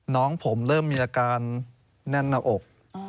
น้องผมเริ่มมีอาการแน่นหน้าอก